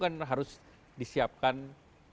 dan itu kan harus disiapkan dan dibuat